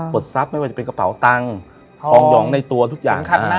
ปลดทรัพย์ไม่ว่าจะเป็นกระเป๋าตังค์ฮองฮองยองในตัวทุกอย่างฮองขัดหน้า